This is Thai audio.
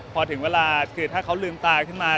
พอถึงเวลาคือถ้าเขาลืมตาขึ้นมา